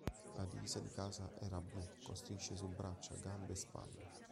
La divisa di casa era blu con strisce su braccia, gambe e spalle.